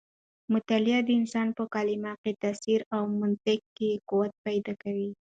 مطالعه د انسان په کلام کې تاثیر او په منطق کې قوت پیدا کوي.